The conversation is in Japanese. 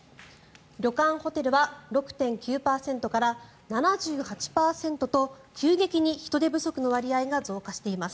旅館・ホテルは６．９％から７８％と急激に人手不足の割合が増加しています。